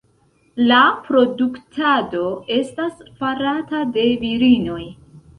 La produktado esta farata de virinoj.